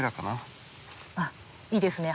あっいいですね